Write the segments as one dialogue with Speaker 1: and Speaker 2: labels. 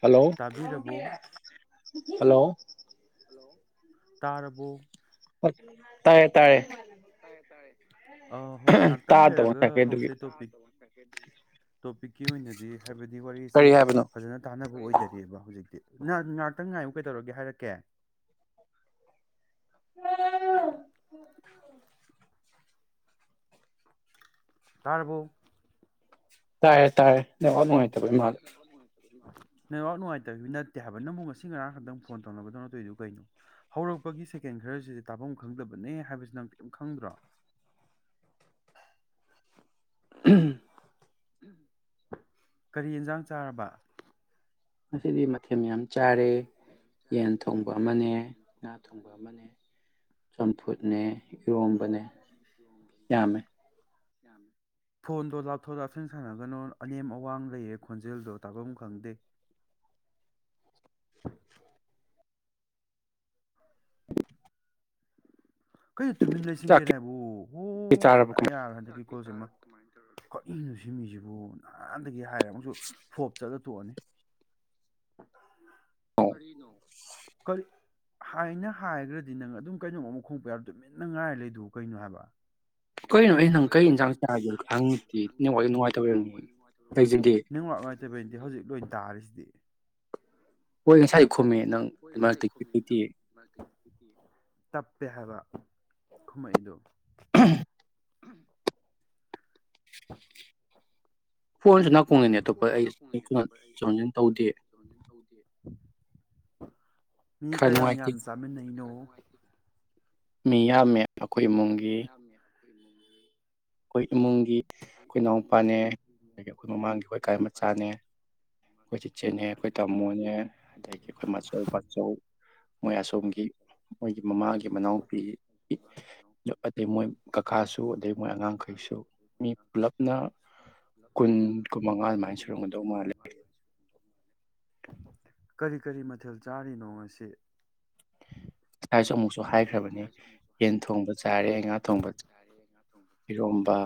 Speaker 1: Hello
Speaker 2: ꯇꯥꯕꯤꯔꯕꯣ
Speaker 1: hello
Speaker 2: ꯇꯥꯔꯕꯣ
Speaker 1: [unintelligible]
Speaker 2: ꯑ ꯍꯣꯏ ꯉꯥꯛꯇꯪ
Speaker 1: ꯇꯥꯗꯕ
Speaker 2: ꯂꯩꯔꯒ
Speaker 1: ꯉꯁꯥꯏꯈꯩ
Speaker 2: ꯍꯧꯁꯦ
Speaker 1: ꯑꯗꯨꯒꯤ
Speaker 2: ꯇꯣꯄꯤꯛ ꯇꯣꯄꯤꯛꯀꯤ ꯑꯣꯏꯅꯗꯤ ꯍꯥꯏꯕꯗꯤ ꯋꯥꯔꯤꯁꯦ
Speaker 1: ꯀꯔꯤ ꯍꯥꯏꯕꯅꯣ
Speaker 2: ꯐꯖꯅ ꯇꯥꯟꯅꯕ ꯑꯣꯏꯗꯔꯤꯕ ꯍꯧꯖꯤꯛ ꯅ ꯉꯥꯛꯇꯪ ꯉꯥꯏꯌꯨ ꯀꯗꯧꯔꯒꯦ ꯍꯥꯏꯔꯛꯀꯦ
Speaker 1: [unintelligible]
Speaker 2: ꯇꯥꯔꯕꯣ
Speaker 1: ꯇꯥꯏꯌꯦ ꯇꯥꯏꯌꯦ ꯅꯦꯋꯥꯛ ꯅꯨꯉꯥꯏꯇꯕꯩ ꯃꯥꯜꯂꯦ
Speaker 2: ꯅꯦꯋꯥꯛ ꯅꯨꯉꯥꯏꯇꯕꯩ ꯅꯠꯇꯦ ꯍꯥꯏꯕ ꯅꯪꯕꯨ ꯉꯁꯤ ꯉꯔꯥꯡ ꯈꯇꯪ ꯐꯣꯟ ꯇꯧꯅꯕꯗꯧꯅ ꯇꯣꯏꯗꯨ ꯀꯩꯅꯣ ꯍꯧꯔꯛꯄꯒꯤ ꯁꯦꯀꯦꯟ ꯈꯔꯁꯤꯗꯤ ꯇꯥꯕꯝ ꯈꯪꯗꯕꯅꯦ ꯍꯥꯏꯕꯁꯤ ꯅꯪ ꯀꯩꯏꯝ ꯈꯪꯗ꯭ꯔꯣ
Speaker 1: [unintelligible]
Speaker 2: ꯀꯔꯤ ꯑꯦꯟꯖꯥꯡ ꯆꯥꯔꯕ
Speaker 1: ꯉꯁꯤꯗꯤ ꯃꯊꯦꯝ ꯃꯌꯥꯝ ꯆꯥꯔꯦ ꯌꯦꯟ ꯊꯣꯡꯕ ꯑꯃꯅꯦ ꯉꯥ ꯊꯣꯡꯕ ꯑꯃꯅꯦ ꯆꯝꯐꯨꯠꯅꯦ ꯏꯔꯣꯝꯕꯅꯦ ꯌꯥꯝꯃꯦ
Speaker 2: ꯐꯣꯟꯗꯣ ꯂꯥꯞꯊꯣꯛ ꯂꯥꯞꯁꯤꯟ ꯁꯥꯟꯅꯒꯅꯣ ꯑꯅꯦꯝ ꯑꯋꯥꯡ ꯂꯩꯌꯦ ꯈꯣꯟꯖꯦꯜꯗꯣ ꯇꯥꯕꯝ ꯈꯪꯗꯦ
Speaker 1: [unintelligible]
Speaker 2: ꯀꯩꯅꯣ ꯇꯨꯃꯤꯟ
Speaker 1: ꯆꯥꯛꯇꯤ
Speaker 2: ꯂꯩꯁꯤꯟꯒꯦꯔꯥꯏꯕꯨ ꯑꯣ
Speaker 1: ꯆꯥꯔꯕꯣ
Speaker 2: ꯁꯨꯡꯌꯥ
Speaker 1: ꯀꯃꯥꯏ
Speaker 2: ꯌꯥꯔꯣꯏ ꯍꯟꯗꯛꯀꯤ [unintelligible] ꯀꯔꯤꯅꯣ ꯁꯤꯃꯤꯖꯤꯕꯨ ꯅꯍꯥꯟ ꯗꯒꯤ ꯍꯥꯏꯔꯦ ꯑꯃꯨꯛꯁꯨ ꯐꯣꯞ ꯆꯠꯂ ꯇꯣꯑꯅꯤ ꯀꯔꯤꯅꯣ ꯀꯔꯤ ꯍꯥꯏꯅ ꯍꯥꯏꯒꯔꯥꯗꯤ ꯅꯪ ꯑꯗꯨꯝ ꯀꯩꯅꯣꯝ ꯑꯃꯨꯛ ꯈꯨꯝꯃꯛꯄ ꯌꯥ ꯇꯨꯃꯤꯟꯅ ꯉꯥꯏꯔ ꯂꯩꯗꯨꯕꯨ ꯀꯩꯅꯣ ꯍꯥꯏꯕ
Speaker 1: ꯀꯩꯅꯣ ꯑꯩ ꯅꯪ ꯀꯩ
Speaker 2: ꯅꯦꯋꯥꯛ
Speaker 1: ꯏꯟꯁꯥꯡ ꯆꯥꯒꯦ ꯈꯪꯗꯦ ꯅꯦꯠꯋꯥꯛ ꯅꯨꯡꯉꯥꯏꯇꯕꯩ ꯑꯣꯏꯔꯝꯅꯤ ꯂꯩꯖꯗꯦ
Speaker 2: ꯅꯨꯉꯥꯏꯇꯕꯩ ꯅꯠꯇꯦ ꯍꯧꯖꯤꯛ ꯂꯣꯏ ꯇꯥꯔꯤꯁꯤꯗꯤ
Speaker 1: ꯍꯣꯏ ꯉꯁꯥꯏꯌꯨꯛ ꯈꯨꯝꯃꯦ ꯅꯪ ꯃꯔꯛꯇꯛꯇꯗꯤ
Speaker 2: ꯇꯞꯄꯦ ꯍꯥꯏꯕ ꯈꯨꯝꯃꯛꯏꯗꯣ
Speaker 1: [unintelligible]
Speaker 2: [inaudible]
Speaker 1: ꯐꯣꯟꯖꯨ ꯅꯛ
Speaker 2: ꯄꯣꯟꯖꯨ [unintelligible] ꯑꯇꯣꯞꯄ
Speaker 1: ꯇꯧꯗꯦ
Speaker 2: [inaudible] ꯇꯧꯗꯤꯌꯦ ꯃꯤ
Speaker 1: ꯈꯔ
Speaker 2: ꯀꯌꯥꯝ
Speaker 1: ꯅꯨꯡꯉꯥꯏꯇꯦ
Speaker 2: ꯌꯥꯝ ꯆꯥꯃꯤꯟꯅꯩꯅꯣ
Speaker 1: ꯃꯤꯌꯥꯝꯃꯦ꯫ ꯑꯩꯈꯣꯏ ꯏꯃꯨꯡꯒꯤ
Speaker 2: [inaudible]
Speaker 1: ꯑꯩꯈꯣꯏ ꯏꯃꯨꯡꯒꯤ ꯑꯩꯈꯣꯏ ꯏꯅꯥꯎꯄꯥꯅꯦ ꯑꯗꯒꯤ ꯑꯩꯈꯣꯏ ꯃꯃꯥꯡꯒꯤ ꯑꯩꯈꯣꯏ ꯀꯒꯤ ꯃꯆꯥꯅꯦ ꯑꯩꯈꯣꯏ ꯆꯤꯆꯦꯅꯦ ꯑꯩꯈꯣꯏ ꯇꯥꯃꯣꯅꯦ ꯑꯗꯒꯤ ꯑꯩꯈꯣꯏ ꯃꯆꯧ ꯕꯥꯆꯧ ꯃꯣꯏ ꯑꯁꯣꯝꯒꯤ ꯃꯣꯏꯒꯤ ꯃꯃꯥꯒꯤ ꯃꯅꯥꯎꯄꯤ ꯑꯗꯩ ꯃꯣꯏ ꯀꯀꯥꯁꯨ ꯑꯗꯩ ꯃꯣꯏ ꯑꯉꯥꯡ ꯃꯈꯩꯁꯨ ꯃꯤ ꯄꯨꯂꯞꯅ ꯀꯨꯟ ꯀꯨ ꯃꯉꯥ ꯑꯗꯨꯃꯥꯏꯅ ꯁꯨꯔꯝꯒꯗꯧ ꯃꯥꯜꯂꯦ꯫
Speaker 2: ꯀꯔꯤ - ꯀꯔꯤ ꯃꯊꯦꯜ ꯆꯥꯔꯤꯅꯣ ꯉꯁꯤ?
Speaker 1: ꯍꯥꯏꯁꯨ ꯑꯃꯨꯛꯁꯨ ꯍꯥꯏꯈ꯭ꯔꯕꯅꯤ ꯌꯦꯟ ꯊꯣꯡꯕ ꯆꯥꯔꯦ ꯉꯥ ꯊꯣꯡꯕ, ꯏꯔꯣꯝꯕ,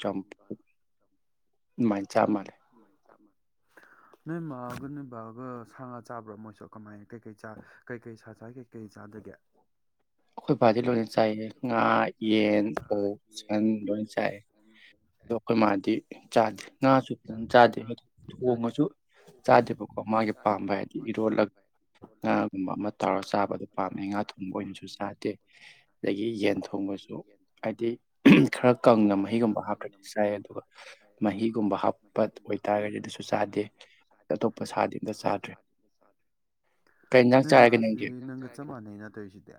Speaker 1: ꯆꯝꯄꯨ ꯑꯗꯨꯃꯥꯏꯅ ꯆꯥꯃ
Speaker 2: ꯅꯣꯏ ꯃꯥꯒ ꯅꯣꯏ ꯕꯥꯒ ꯁꯥ ꯉꯥ ꯆꯥꯕ꯭ꯔꯥ ꯃꯣꯏꯁꯨ ꯀꯃꯥꯏꯅ ꯀꯩꯀꯩ ꯀꯩꯀꯩ ꯁꯥ ꯆ ꯀꯩꯀꯩ ꯆꯥꯗꯒꯦ?
Speaker 1: ꯑꯩꯈꯣꯏ ꯕꯥꯗꯤ ꯂꯣꯏꯅ ꯆꯥꯏꯌꯦ ꯉꯥ, ꯌꯦꯟ, ꯑꯣꯛ, ꯆꯤꯀꯟ ꯂꯣꯏꯅ ꯆꯥꯏꯌꯦ ꯑꯗꯣ ꯑꯩꯈꯣꯏ ꯃꯥꯗꯤ ꯆꯥꯗꯦ ꯉꯥꯁꯨ ꯐꯖꯅꯥ ꯆꯥꯗꯦ ꯊꯣꯡꯉꯁꯨ ꯆꯥꯗꯦꯕꯀꯣ ꯃꯥꯒꯤ ꯄꯥꯝꯕ ꯍꯥꯏꯗꯤ ꯏꯔꯣꯜꯂꯒ ꯉꯥꯒꯨꯝꯕ ꯑꯃ ꯇꯧꯔꯒ ꯆꯥꯕꯗ ꯄꯥꯝꯃꯦ ꯉꯥ ꯊꯣꯡꯕ ꯑꯣꯏꯅꯁꯨ ꯆꯗꯦ ꯑꯗꯒꯤ ꯌꯦꯟ ꯊꯣꯡꯕꯁꯨ ꯍꯥꯏꯗꯤ ꯈꯔ ꯀꯪꯅ ꯃꯍꯤꯒꯨꯝꯕ ꯍꯥꯞꯇꯔꯗꯤ ꯆꯥꯏ ꯑꯗꯨꯒ ꯃꯍꯤꯒꯨꯝꯕ ꯍꯥꯞ ꯑꯇꯣꯞꯄ ꯁꯥꯗꯤ ꯑꯝꯇ ꯆꯥꯗ꯭ꯔꯦ ꯀꯩ
Speaker 2: [unintelligible]
Speaker 1: ꯏꯟꯖꯥꯡ
Speaker 2: ꯅꯣꯏ
Speaker 1: ꯆꯥꯔꯒꯦ
Speaker 2: ꯃꯁꯦ
Speaker 1: ꯅꯪꯗꯤ
Speaker 2: ꯉꯒꯥ ꯆꯞ ꯃꯅꯩꯅ ꯇꯩꯁꯤꯗꯤ꯫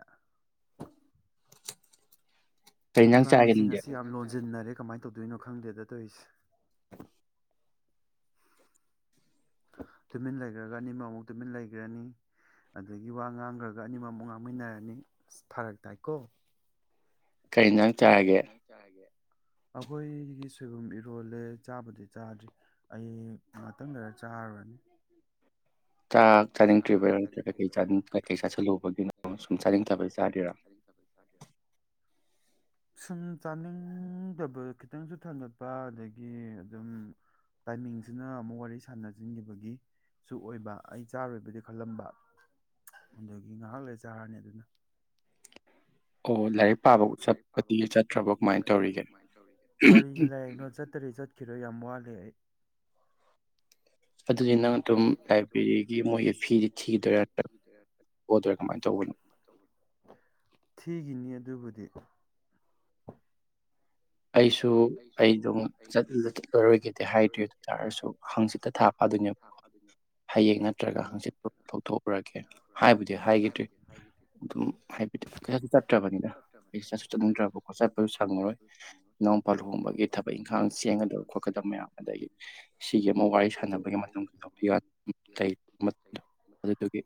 Speaker 1: ꯀꯩ ꯏꯟꯖꯥꯡ ꯆꯥꯔꯒꯦ
Speaker 2: ꯏꯕꯥꯅꯤꯁꯦ
Speaker 1: ꯅꯪꯗꯤ
Speaker 2: ꯉꯁꯤ ꯌꯥꯝ ꯂꯣꯟ ꯖꯤꯟꯅꯔꯦ ꯀꯃꯥꯏꯅ ꯇꯧꯗꯣꯏꯅꯣ ꯈꯪꯗꯦꯗ ꯇꯧꯔꯤꯁꯦ꯫ ꯇꯨꯃꯤꯟ ꯂꯩꯈ꯭ꯔꯒ ꯑꯅꯤꯃꯛ ꯑꯃꯨꯛ ꯇꯨꯃꯤꯟ ꯂꯩꯈ꯭ꯔꯅꯤ ꯑꯗꯒꯤ ꯋꯥ ꯉꯥꯡꯈ꯭ꯔꯒ ꯑꯅꯤꯃꯛ ꯑꯃꯨꯛ ꯉꯥꯡꯃꯤꯟꯅꯔꯅꯤ ꯑꯁ ꯐꯔꯛ ꯇꯥꯏꯀꯣ꯫
Speaker 1: ꯀꯩꯅꯣ
Speaker 2: [inaudible] ꯑꯩꯈꯣꯏꯒꯤ ꯁꯣꯏꯕꯨꯝ ꯏꯔꯣꯜꯂꯦ ꯆꯥꯕꯗꯤ ꯆꯥꯗ꯭ꯔꯤ ꯑꯩ ꯉꯥꯛꯇꯪ ꯈꯔ ꯆꯥꯔꯨꯔꯅꯤ꯫
Speaker 1: ꯆꯥꯛ ꯆꯥꯅꯤꯡꯗ꯭ꯔꯤꯕꯩꯔꯣ ꯅꯠꯇ꯭ꯔꯒ ꯀꯩꯀꯩ ꯆꯥꯅꯤꯡ ꯀꯩꯀꯩ ꯆꯥꯁꯤꯜꯂꯨꯕꯒꯤꯅꯣ ꯁꯨꯝ ꯆꯥꯅꯤꯡꯗꯕꯩ ꯆꯥꯔꯤꯔꯣ
Speaker 2: [inaudible] ꯁꯨꯝ ꯆꯥꯅꯤꯡꯗꯕ ꯈꯤꯇꯪꯁꯨ ꯊꯟꯒꯠꯄ ꯑꯗꯒꯤ ꯑꯗꯨꯝ ꯇꯥꯏꯃꯤꯡꯁꯤꯅ ꯑꯃꯨꯛ ꯋꯥꯔꯤ ꯁꯥꯟꯅꯁꯤꯟꯈꯤꯕꯒꯤꯁꯨ ꯑꯣꯏꯕ ꯑꯩ ꯆꯥꯔꯣꯏꯕꯗꯤ ꯈꯜꯂꯝꯕ ꯑꯗꯒꯤ ꯉꯥꯏꯍꯥꯛ ꯂꯩ ꯆꯥꯔꯅꯤ ꯑꯗꯨꯅ꯫
Speaker 1: ꯑꯣ ꯂꯥꯏꯔꯤꯛ ꯄꯥꯕ ꯆꯠꯄꯗꯤ ꯆꯠꯇ꯭ꯔꯕꯣ ꯀꯃꯥꯏꯅ ꯇꯧꯔꯤꯒꯦ
Speaker 2: [unintelligible] ꯀꯔꯤꯒꯤ ꯂꯥꯏꯔꯤꯛ ꯅꯣ ꯆꯠꯇꯔꯤ ꯆꯠꯈꯤꯔꯣꯏ ꯌꯥꯝ ꯋꯥꯠꯂꯤ ꯑꯩ꯫
Speaker 1: ꯑꯗꯨꯗꯤ ꯅꯪ ꯑꯗꯨꯝ ꯂꯥꯏꯕ꯭ꯔꯦꯔꯤꯒꯤ ꯃꯣꯏꯒꯤ ꯐꯤꯗꯤ ꯊꯤꯗꯣꯏꯔꯥ ꯅꯠꯇ꯭ꯔꯒ ꯑꯣꯗꯣꯏꯔꯥ ꯀꯃꯥꯏꯅ ꯇꯧꯕꯅꯣ
Speaker 2: [inaudible] ꯊꯒꯤꯅꯤ ꯑꯗꯨꯕꯨꯗꯤ꯫ [inaudible]
Speaker 1: ꯑꯩꯁꯨ ꯑꯩ ꯑꯗꯨꯝ ꯆꯂ ꯆꯠꯂꯔꯣꯏꯈꯤꯗꯦ ꯍꯥꯏꯗ꯭ꯔꯤ ꯑꯗꯨ ꯇꯥꯔꯁꯨ ꯍꯥꯡꯆꯤꯠꯇ ꯊꯥ ꯐꯗꯣꯏꯅꯦꯕꯣ ꯍꯌꯦꯡ ꯅꯠꯇ꯭ꯔꯒ ꯍꯥꯡꯆꯤꯠꯇ ꯂꯧꯊꯣꯛꯎꯔꯒꯦ ꯍꯥꯏꯕꯨꯗꯤ ꯍꯥꯏꯈꯤꯗ꯭ꯔꯤ ꯑꯗꯨꯝ ꯍꯥꯏꯕꯗꯤ ꯀꯩꯁꯥꯁꯨ ꯆꯠꯇ꯭ꯔꯕꯅꯤꯅ ꯑꯩ ꯆꯠꯁꯨ ꯆꯠꯅꯤꯡꯗ꯭ꯔꯕꯀꯣ ꯆꯠꯄꯁꯨ ꯁꯪꯉꯔꯣꯏ꯫ ꯏꯅꯥꯎꯄꯥ ꯂꯨꯍꯣꯡꯕꯒꯤ ꯊꯕꯛ ꯏꯪꯈꯥꯡ ꯆꯦꯟꯒꯗꯕ ꯈꯣꯠꯀꯗꯕ ꯃꯌꯥꯝ ꯑꯗꯒꯤ ꯁꯤꯒꯤ ꯑꯃ ꯋꯥꯔꯤ ꯁꯥꯟꯅꯕꯒꯤ ꯃꯇꯝ ꯂꯩ ꯑꯗꯨꯗꯨꯒꯤ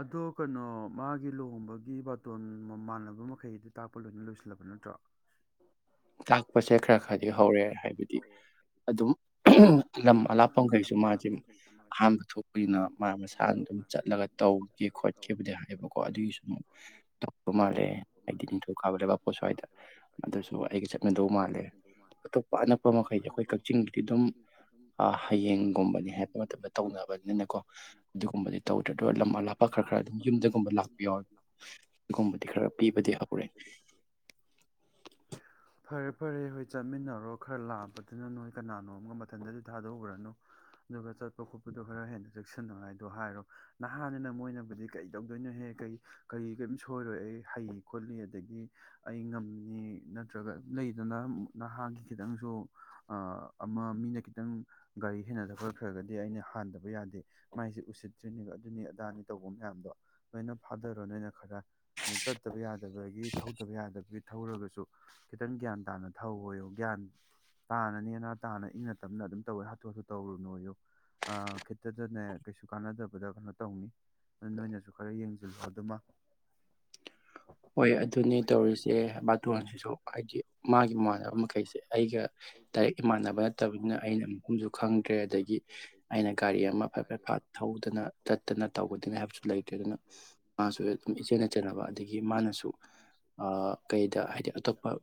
Speaker 2: ꯑꯗꯣ ꯀꯩꯅꯣ ꯃꯥꯒꯤ ꯂꯨꯍꯣꯡꯕꯒꯤ ꯕꯥꯇꯣꯟ ꯃꯃꯥꯟꯅꯕ ꯃꯈꯩꯗꯨ ꯇꯥꯛꯄ ꯂꯣꯏꯅ ꯂꯣꯏꯁꯤꯜꯂꯕ ꯅꯠꯇ꯭ꯔꯣ?
Speaker 1: [unintelligible] ꯄꯣꯠꯁꯦ ꯈꯔ ꯈꯔꯗꯤ ꯍꯧꯔꯦ ꯍꯥꯏꯕꯗꯤ ꯑꯗꯨꯝ ꯂꯝ ꯑꯂꯥꯞꯄꯐꯝꯈꯩꯁꯨ ꯃꯥꯁꯦ ꯑꯍꯥꯟꯕ ꯊꯣꯛꯄꯅꯤꯅ ꯃꯥ ꯃꯁꯥꯅ ꯑꯗꯨꯝ ꯆꯠꯂꯒ ꯇꯧꯒꯦ ꯈꯣꯠꯀꯦꯕꯨꯗꯤ ꯍꯥꯏꯕꯀꯣ ꯑꯗꯨꯒꯤꯁꯨ ꯑꯃꯨ ꯇꯧꯕ ꯃꯥꯜꯂꯦ ꯍꯥꯏꯗꯤ ꯅꯤꯡꯊꯧꯀꯥꯕ ꯂꯩꯕꯥꯛꯄꯣꯠ ꯁ꯭ꯋꯥꯏꯗ ꯑꯗꯨꯁꯨ ꯆꯠꯅꯗꯧ ꯃꯥꯜꯂꯦ ꯑꯇꯣꯞꯄ ꯑꯅꯛꯄ ꯃꯈꯩꯗꯤ ꯑꯩꯈꯣꯏ ꯀꯛꯆꯤꯡꯗꯗꯤ ꯑꯗꯨꯝ ꯍꯌꯦꯡꯒꯨꯝꯕꯅꯤ ꯍꯥꯏꯕ ꯃꯇꯝꯗ ꯇꯧꯅꯕꯅꯤꯅꯀꯣ ꯑꯗꯨꯒꯨꯝꯕꯗꯤ ꯇꯧꯗ꯭ꯔꯗ ꯂꯝꯃꯥ ꯂꯥꯞꯄꯥ ꯈꯔ ꯈꯔ ꯑꯗꯨꯝ ꯌꯨꯝꯗꯒꯨꯝꯕ ꯂꯥꯛꯄꯤ ꯌꯥꯎ ꯑꯗꯨꯒꯨꯝꯕꯗꯤ ꯈꯔ ꯄꯤꯕꯗꯤ ꯑꯔꯦ
Speaker 2: ꯐꯔꯦ ꯐꯔꯦ ꯍꯣꯏ ꯆꯠꯃꯤꯟꯅꯔꯣ ꯈꯔ ꯂꯥꯛꯄꯗꯨꯅ ꯅꯣꯏ ꯀꯅꯥꯅꯣ ꯑꯃꯒ ꯃꯊꯟꯇꯗꯤ ꯊꯥꯗꯣꯛꯎꯈ꯭ꯔꯅꯨ ꯑꯗꯨꯒ ꯆꯠꯄ ꯈꯣꯠꯄꯗꯣ ꯈꯔ ꯍꯦꯟꯅ ꯆꯦꯛꯁꯤꯟꯅꯉꯥꯏꯗꯣ ꯍꯥꯏꯔꯣ ꯅꯍꯥꯟꯅꯤꯅ ꯃꯣꯏꯅꯕꯨꯗꯤ ꯀꯩ ꯇꯧꯗꯣꯏꯅꯣꯍꯦ ꯀꯩ ꯀꯔꯤ ꯀꯔꯤꯝ ꯁꯣꯏꯔꯣꯏ ꯑꯩ ꯍꯩ ꯈꯣꯠꯂꯤ ꯑꯗꯒꯤ ꯑꯩ ꯉꯝꯃꯤ ꯅꯠꯇ꯭ꯔꯒ ꯂꯩꯗꯅ ꯅꯍꯥꯒꯤ ꯈꯤꯇꯪꯁꯨ ꯑꯃ ꯃꯤꯅ ꯈꯤꯇꯪ ꯒꯥꯔꯤ ꯍꯦꯟꯅꯗ ꯈꯠꯈ꯭ꯔꯒꯗꯤ ꯑꯩꯅ ꯍꯥꯟꯗꯕ ꯌꯥꯗꯦ ꯃꯥꯏꯁꯦ ꯎꯁꯤꯠꯇ꯭ꯔꯤꯅꯦꯕ ꯑꯗꯨꯅꯤ ꯑꯗꯥꯅꯤ ꯇꯧꯕ ꯃꯌꯥꯝꯗꯣ ꯂꯣꯏꯅ ꯐꯥꯗꯔꯣ ꯅꯣꯏꯅ ꯈꯔ ꯆꯠꯇꯕ ꯌꯥꯗꯕꯒꯤ ꯊꯧꯗꯕ ꯌꯥꯗꯕꯒꯤ ꯊꯧꯔꯒꯁꯨ ꯈꯤꯇꯪ ꯒ꯭ꯌꯥꯟ ꯇꯥꯅ ꯊꯧ ꯑꯣꯏꯌꯣ ꯒ꯭ꯌꯥꯟ ꯇꯥꯅꯅꯦꯅ ꯇꯥꯅ ꯏꯪꯅ ꯇꯞꯅ ꯑꯗꯨꯝ ꯇꯧꯋꯦ ꯍꯥꯊꯨ ꯍꯥꯊꯨ ꯇꯧꯔꯨꯅꯨꯌꯣ ꯈꯤꯠꯇꯗꯅꯦ ꯀꯩꯁꯨ ꯀꯥꯟꯅꯗꯕꯗ ꯀꯩꯅꯣ ꯇꯧꯅꯤ ꯑꯗꯨ ꯅꯣꯏꯅꯁꯨ ꯈꯔ ꯌꯦꯡꯁꯤꯜꯂꯨ ꯑꯗꯨꯃ
Speaker 1: ꯍꯣꯏ ꯑꯗꯨꯅꯦ ꯇꯧꯔꯤꯁꯦ ꯕꯥꯇꯣꯟꯁꯤꯁꯨ ꯍꯥꯏꯗꯤ ꯃꯥꯒꯤ ꯏꯃꯥꯟꯅꯕ ꯃꯈꯩꯁꯦ ꯑꯩꯒ ꯗꯥꯏꯔꯦꯛ ꯏꯃꯥꯟꯅꯕ ꯅꯠꯇꯕꯅꯤꯅ ꯑꯩꯅ ꯃꯨꯐꯝꯁꯨ ꯈꯪꯗ꯭ꯔꯦ ꯑꯗꯒꯤ ꯑꯩꯅ ꯒꯥꯔꯤ ꯑꯃ ꯐꯠ ꯐꯠ ꯐ ꯠꯊꯧꯗꯅ ꯆꯠꯇꯅ ꯇꯧꯒꯗꯅꯤ ꯍꯥꯏꯕꯁꯨ ꯂꯩꯇ꯭ꯔꯦ ꯑꯗꯨꯅ ꯃꯥꯁꯨ ꯑꯗꯨꯝ ꯏꯆꯦꯟꯅ ꯆꯩꯟꯅꯅꯕ ꯑꯗꯒꯤ ꯃꯥꯅꯁꯨ ꯀꯗ ꯍꯥꯏꯗꯤ ꯑꯇꯣꯞꯄ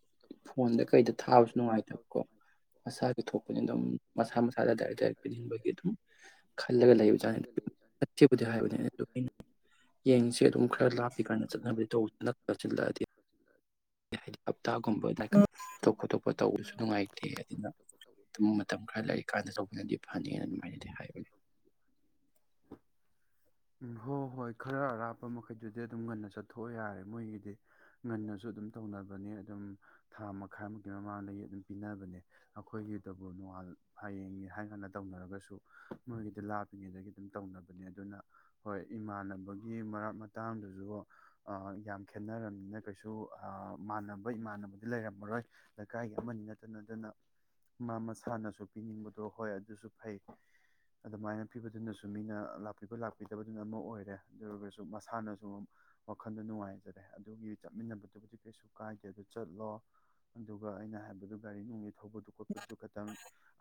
Speaker 1: ꯐ ꯀꯩꯗ ꯊꯥꯕꯁꯨ ꯅꯨꯡꯉꯥꯏꯇꯕꯀꯣ ꯃꯁꯥꯒꯤ ꯊꯣꯛꯄꯅꯤ ꯑꯗꯨꯝ ꯃꯁꯥ ꯃꯁꯥꯗ ꯗꯥꯏꯔꯦꯛ ꯗꯥꯏꯔꯦꯛ ꯄꯤꯁꯤꯟꯕꯒꯤ ꯑꯗꯨꯝ ꯈꯜꯂꯒ ꯂꯩꯕꯖꯥꯠꯅꯤꯗꯤ ꯍꯥꯏꯕꯅꯤ ꯑꯗꯨ ꯑꯩꯅ ꯌꯦꯡꯁꯤ ꯑꯗꯨꯝ ꯈꯔ ꯂꯥꯞꯄꯤ ꯀꯥꯟꯅ ꯆꯠꯅꯕ ꯑꯣꯖꯅ ꯇꯁꯤꯜꯗꯥꯗ ꯍꯞꯇꯒꯨꯝꯕ ꯇꯣꯞ ꯈꯣꯇꯣꯞꯄ ꯇꯧꯕꯁꯨ ꯅꯨꯡꯉꯥꯏꯇꯦ ꯑꯗꯨꯅ ꯑꯗꯨꯝ ꯃꯇꯝ ꯈꯔ ꯂꯩ ꯀꯥꯟꯗ ꯇꯧꯕꯅꯗꯤ ꯐꯅꯤꯅ ꯑꯗꯨꯃꯥꯏꯅꯗꯤ ꯍꯥꯏꯕꯅꯤ
Speaker 2: ꯎꯝ ꯍꯣꯏ ꯍꯣꯏ ꯈꯔ ꯑꯔꯥꯞꯄ ꯃꯈꯩꯗꯨꯗꯤ ꯑꯗꯨꯝ ꯉꯟꯅ ꯆꯠꯊꯣꯛꯑ ꯌꯥꯔꯦ ꯃꯣꯏꯒꯤꯗꯤ ꯉꯟꯅꯁꯨ ꯑꯗꯨꯝ ꯇꯧꯅꯕꯅꯤ ꯑꯗꯨꯝ ꯊꯥ ꯃꯈꯥꯏꯃꯨꯛꯀꯤ ꯃꯃꯥꯡꯗꯒꯤ ꯑꯗꯨꯝ ꯄꯤꯅꯕꯅꯦ ꯑꯩꯈꯣꯏꯒꯤꯗꯕꯨ ꯅꯣꯡꯉ ꯍꯌꯦꯡꯅꯤ ꯍꯥꯏ ꯀꯥꯟꯗ ꯇꯧꯅꯔꯒꯁꯨ ꯃꯣꯏꯒꯤꯗ ꯂꯥꯞꯄꯤꯉꯩꯗꯒꯤ ꯑꯗꯨꯝ ꯇꯧꯅꯕꯅꯦ ꯑꯗꯨꯅ ꯍꯣꯏ ꯏꯃꯥꯟꯅꯕꯒꯤ ꯃꯔꯛ ꯃꯇꯥꯡꯗꯨꯁꯨ ꯌꯥꯝ ꯈꯦꯠꯅꯔꯕꯅꯤꯅ ꯀꯩꯁꯨ ꯃꯥꯟꯅꯕ ꯏꯃꯥꯟꯅꯕ ꯂꯩꯔꯝꯃꯔꯣꯏ ꯂꯩꯀꯥꯏꯒꯤ ꯑꯃꯅꯤ ꯅꯠꯇꯅ ꯑꯗꯨꯅ ꯃꯥ ꯃꯁꯥꯅꯁꯨ ꯄꯤꯅꯤꯡꯕꯗꯣ ꯍꯣꯏ ꯑꯗꯨꯁꯨ ꯐꯩ ꯑꯗꯨꯃꯥꯏꯅ ꯄꯤꯕꯗꯨꯅꯁꯨ ꯃꯤꯅ ꯂꯥꯛꯄꯤꯕ ꯂꯥꯛꯄꯤꯗꯕꯗꯨꯅ ꯑꯃ ꯑꯣꯏꯔꯦ ꯑꯗꯨ ꯑꯣꯏꯔꯒꯁꯨ ꯃꯁꯥꯅꯁꯨ ꯋꯥꯈꯟꯗ ꯅꯨꯡꯉꯥꯏꯖꯔꯦ ꯑꯗꯨꯒꯤ ꯆꯠꯃꯤꯟꯅꯕꯗꯨꯕꯨꯗꯤ ꯀꯩꯁꯨ ꯀꯥꯏꯗꯦ ꯑꯗꯨ ꯆꯠꯂꯣ ꯑꯗꯨꯒ ꯑꯩꯅ ꯍꯥꯏꯕꯗꯨ ꯒꯥꯔꯤ ꯅꯨꯡꯂꯤ ꯊꯧꯕꯗꯨ ꯈꯣꯠꯄꯁꯨ ꯈꯪ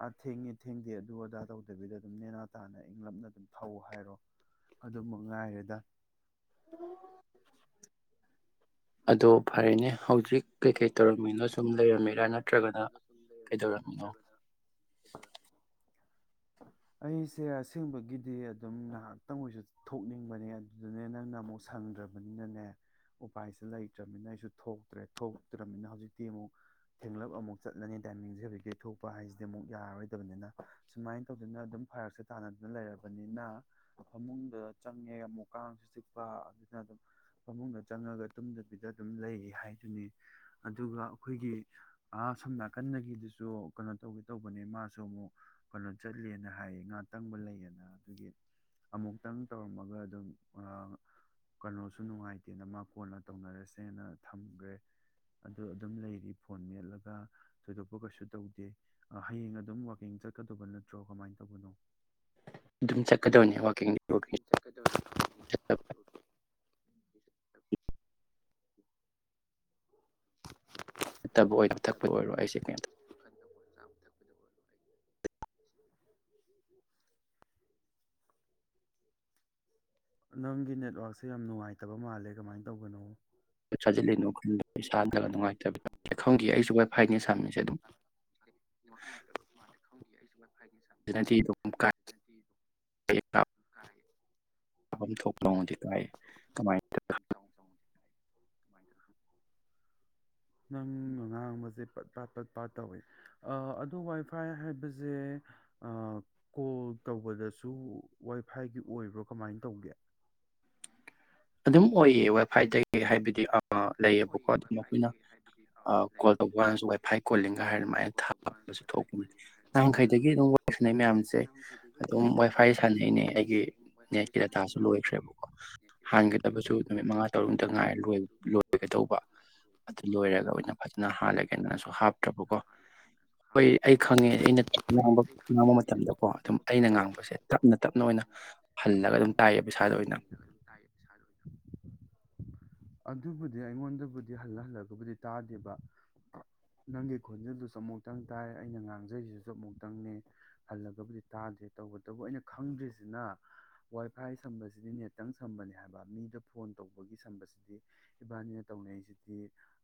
Speaker 2: ꯑꯊꯦꯡ ꯊꯦꯡꯗꯦ ꯑꯗꯨ ꯑꯗꯥ ꯇꯧꯗꯕꯤꯗ ꯑꯗꯨꯝ ꯅꯦꯅꯥ ꯇꯥꯅ ꯏꯪꯂꯞꯅ ꯑꯗꯨꯝ ꯊꯧꯑꯣ ꯍꯥꯏꯔꯣ ꯑꯗꯨꯃꯛ ꯉꯥꯏꯔꯦꯗ
Speaker 1: ꯑꯗꯣ ꯐꯔꯦꯅꯦ ꯍꯧꯖꯤꯛ
Speaker 2: ꯑꯗꯣ
Speaker 1: ꯀꯩꯀꯩ
Speaker 2: ꯐꯔꯦꯅꯦ
Speaker 1: ꯇꯧꯔꯝꯃꯤꯅꯣ ꯁꯨꯝ
Speaker 2: ꯍꯧꯖꯤꯛ
Speaker 1: ꯂꯩꯔꯝꯃꯤꯔꯥ
Speaker 2: ꯀꯩꯀꯩ
Speaker 1: ꯅꯠꯇ꯭ꯔꯒꯅ
Speaker 2: ꯇꯧꯔꯝꯃꯤꯅꯣ ꯁꯨꯝ ꯂꯩꯔꯝꯃꯦꯔ
Speaker 1: ꯀꯩꯗꯧꯔꯝꯃꯤꯅꯣ
Speaker 2: ꯅꯠꯇ꯭ꯔꯒꯅꯧ ꯑꯩꯁꯦ ꯑꯁꯦꯡꯕꯒꯤꯗꯤ ꯑꯗꯨꯝ ꯉꯍꯥꯛꯇꯪ ꯑꯣꯏꯁꯨ ꯊꯣꯛꯅꯤꯡꯕꯅꯦ ꯑꯗꯨꯗꯨꯅꯦ ꯅꯪꯅ ꯑꯃꯨꯛ ꯁꯪꯗ꯭ꯔꯕꯅꯤꯅꯅꯦ ꯎꯄꯥꯏꯁꯦ ꯂꯩꯇ꯭ꯔꯕꯅꯤꯅ ꯑꯩꯁꯨ ꯊꯣꯛꯇ꯭ꯔꯦ ꯊꯣꯛꯇ꯭ꯔꯕꯅꯤꯅ ꯍꯧꯖꯤꯛꯇꯤ ꯑꯃꯨꯛ ꯊꯦꯡꯂꯞ ꯑꯃꯨꯛ ꯆꯠꯂꯅꯤ ꯇꯥꯏꯃꯤꯡꯁꯦ ꯍꯧꯖꯤꯛꯇꯤ ꯊꯣꯛꯄ ꯍꯥꯏꯁꯤꯗꯤ ꯑꯃꯨꯛ ꯌꯥꯔꯔꯣꯏꯗꯕꯅꯤꯅ ꯁꯨꯃꯥꯏꯅ ꯇꯧꯗꯅ ꯑꯗꯨꯝ ꯐꯔꯛꯁꯦ ꯇꯥꯟꯅꯗꯅ ꯂꯩꯔꯕꯅꯤꯅ ꯐꯃꯨꯡꯗ ꯆꯪꯉꯦ ꯑꯃꯨꯛ ꯀꯥꯡꯁꯨ ꯆꯤꯛꯄ ꯑꯗꯨꯅ ꯑꯗꯨꯝ ꯐꯃꯨꯡꯗ ꯆꯪꯉꯒ ꯇꯨꯝꯗꯕꯤꯗ ꯑꯗꯨꯝ ꯂꯩ ꯍꯥꯏꯗꯨꯅꯤ ꯑꯗꯨꯒ ꯑꯩꯈꯣꯏꯒꯤ ꯁꯝ ꯅꯥꯀꯟꯗꯒꯤꯗꯨꯁꯨ ꯀꯩꯅꯣ ꯇꯧꯒꯦ ꯇꯧꯕꯅꯦ ꯃꯥꯁꯨ ꯑꯃꯨꯛ ꯀꯩꯅꯣ ꯆꯠꯂꯦꯅ ꯍꯥꯏꯌꯦ ꯉꯥ ꯇꯪꯕ ꯂꯩꯌꯦꯅ ꯑꯗꯨꯒꯤ ꯑꯃꯨꯛꯇꯪ ꯇꯧꯔꯝꯃꯒ ꯑꯗꯨꯝ ꯀꯩꯅꯣꯁꯨ ꯅꯨꯡꯉꯥꯏꯇꯦꯅ ꯃꯥ ꯀꯣꯟꯅ ꯇꯧꯅꯔꯁꯦꯅ ꯊꯝꯈ꯭ꯔꯦ ꯑꯗꯨ ꯑꯗꯨꯝ ꯂꯩꯔꯤ ꯐꯣꯟ ꯃꯦꯠꯂꯒ ꯊꯣꯏꯗꯣꯛꯄ ꯀꯩꯁꯨ ꯇꯧꯗꯦ ꯍꯌꯦꯡ ꯑꯗꯨꯝ ꯋꯥꯛꯀꯤꯡ ꯆꯠꯀꯗꯧꯕ ꯅꯠꯇ꯭ꯔꯣ ꯀꯃꯥꯏꯅ ꯇꯧꯕꯅꯣ
Speaker 1: ꯑꯗꯨꯝ ꯆꯠꯀꯗꯧꯅꯦ [unintelligible] ꯅꯠꯇꯕ ꯑꯣꯏ ꯊꯛꯄ ꯑꯣꯏꯔꯣ ꯑꯩꯁꯦ ꯀꯩꯇ
Speaker 2: ꯅꯪꯒꯤ ꯅꯦꯠꯋꯔꯥꯛꯛꯁꯦ ꯌꯥꯝ ꯅꯨꯡꯉꯥꯏꯇꯕ ꯃꯥꯜꯂꯦ ꯀꯃꯥꯏꯅ ꯇꯧꯒꯅꯣ
Speaker 1: ꯆꯖꯂꯤꯅꯣ ꯈꯜ
Speaker 2: [inaudible] [inaudible] [inaudible] [inaudible] [inaudible] [inaudible] [inaudible] [inaudible]
Speaker 1: ꯑꯩꯁꯨ ꯋꯥꯏꯐꯥꯏꯅꯦ ꯁꯝꯃꯤꯁꯦ ꯑꯗꯨꯝ
Speaker 2: ꯪꯈꯪꯗꯤꯌꯦ ꯑꯩꯁꯨ [inaudible]
Speaker 1: ꯅꯐꯝ ꯊꯣꯛꯄꯗꯤ ꯀꯥꯏ ꯀꯃꯥꯏꯅ
Speaker 2: ꯅꯪ ꯑꯉꯥꯡꯕꯁꯦ ꯄꯠ ꯄꯥꯠ ꯄꯠ ꯄꯥꯠ ꯇꯧꯏꯤ ꯑꯣ ꯋꯥꯏꯐꯥꯏ ꯍꯥꯏꯕꯁꯦ ꯀꯣꯜ ꯇꯧꯕꯗꯁꯨ ꯋꯥꯏꯐꯥꯏꯒꯤ ꯑꯣꯏꯕ꯭ꯔꯣ ꯀꯃꯥꯏ ꯇꯧꯒꯦ
Speaker 1: ꯑꯗꯨꯝ ꯑꯣꯏꯌꯦ ꯋꯦꯕ ꯐꯥꯏꯠꯇꯒꯤ ꯍꯥꯏꯕꯗꯤ ꯑ ꯂꯩꯌꯦꯕꯀꯣ ꯑꯗꯨꯝ ꯑꯩꯈꯣꯏꯅ ꯀꯣꯜ ꯇꯧꯕ ꯀꯥꯟꯗꯁꯨ ꯋꯥꯏ ꯐꯥꯏ ꯀꯣꯜꯂꯤꯡꯒ ꯍꯥꯏꯔ ꯑꯗꯨꯃꯥꯏꯅ ꯊꯥꯕꯁꯨ ꯊꯣꯛꯄꯅꯦ ꯅꯍꯥꯟꯈꯩꯗꯒꯤ ꯑꯗꯨꯝ ꯋꯥꯏ ꯁꯥꯟꯅꯩ ꯃꯌꯥꯝꯁꯦ ꯑꯗꯨꯝ ꯋꯥꯏ ꯐꯥꯏ ꯁꯥꯟꯅꯩꯅꯦ ꯑꯩꯒꯤ ꯅꯦꯠꯀꯤ ꯗꯥꯇꯥꯁꯨ ꯂꯣꯏꯈ꯭ꯔꯦꯕꯀꯣ ꯍꯥꯡꯒꯗꯕꯁꯨ ꯅꯨꯃꯤꯠ ꯃꯉꯥ ꯇꯔꯨꯛꯇ ꯉꯥꯏꯔꯣꯏ ꯂꯣꯏ ꯑꯣꯏꯒꯗꯧꯕ ꯑꯗꯨ ꯂꯣꯏꯔꯒ ꯑꯣꯏꯅ ꯐꯖꯅ ꯍꯥꯜꯂꯒꯦꯅꯁꯨ ꯍꯥꯞꯇ꯭ꯔꯕꯀꯣ ꯍꯣꯏ ꯑꯩ ꯈꯪꯉꯦ ꯑꯩꯅ ꯉꯥꯡꯕ ꯉꯥꯡꯕ ꯃꯇꯝꯗꯀꯣ ꯑꯗꯨꯝ ꯑꯩꯅ ꯉꯥꯡꯕꯁꯦ ꯇꯞꯅ ꯇꯞꯅ ꯑꯣꯏꯅ ꯍꯜꯂꯒ ꯑꯗꯨꯝ ꯇꯥꯏꯌꯦꯕ ꯏꯁꯥꯗ ꯑꯣꯏꯅ
Speaker 2: [unintelligible] ꯑꯗꯨꯕꯨꯗꯤ ꯑꯩꯉꯣꯟꯗꯕꯨꯗꯤ ꯍꯜꯂ ꯍꯜꯂꯒꯕꯨꯗꯤ ꯇꯥꯗꯦꯕ ꯅꯪꯒꯤ ꯈꯣꯟꯖꯦꯜꯗꯨ ꯆꯃꯨꯛꯇꯪ ꯇꯥꯏ ꯑꯩꯅ ꯉꯥꯡꯖꯔꯤꯁꯤꯁꯨ ꯆꯃꯨꯛꯇꯪꯅꯦ ꯍꯜꯂꯒꯕꯨꯗꯤ ꯇꯥꯗꯦ ꯇꯧꯕꯇꯕꯨ ꯑꯩꯅ ꯈꯪꯗ꯭ꯔꯤꯁꯤꯅ ꯋꯥꯏ ꯐꯥꯏ ꯁꯝꯕꯁꯤꯗꯤ ꯅꯦꯠꯇꯪ ꯁꯝꯕꯅꯦ ꯍꯥꯏꯕ ꯃꯤꯗ ꯐꯣꯟ ꯇꯧꯕꯒꯤ ꯁꯝꯕꯁꯤꯗꯤ ꯏꯕꯥꯅꯤꯅ ꯇꯧꯅꯔꯤꯁꯤꯗꯤ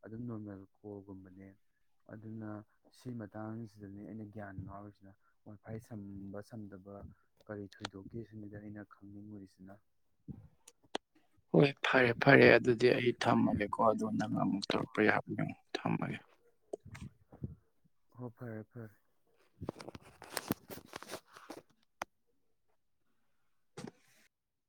Speaker 2: ꯑꯗꯨꯝ ꯅꯣꯔꯃꯦꯜ ꯀꯣꯜꯒꯨꯝꯕꯅꯦ ꯑꯗꯨꯅ ꯁꯤ ꯃꯇꯥꯡꯁꯤꯗꯅꯦ ꯑꯩꯅ ꯒ꯭ꯌꯥꯟ ꯉꯥꯎꯔꯤꯁꯤꯅ ꯋꯥꯏ ꯐꯥꯏ ꯁꯝꯕ ꯁꯝꯗꯕ ꯀꯔꯤ ꯊꯣꯏꯗꯣꯛꯀꯦ ꯁꯤꯃꯗ ꯑꯩꯅ ꯈꯪꯅꯤꯡꯉꯨꯔꯤꯁꯤꯅ
Speaker 1: ꯍꯣꯏ ꯐꯔꯦ ꯐꯔꯦ ꯑꯗꯨꯗꯤ ꯑꯩ ꯊꯝꯃꯒꯦꯀꯣ ꯑꯗꯣ ꯅꯪ ꯑꯃꯨꯛ ꯇꯧꯔꯛꯄ ꯌꯥꯕ ꯅꯪ ꯊꯝꯃꯒꯦ
Speaker 2: ꯑꯣ ꯐꯔꯦ ꯐꯔꯦ